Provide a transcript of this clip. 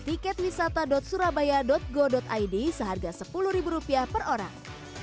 tiketwisata surabaya go id seharga sepuluh ribu rupiah per orang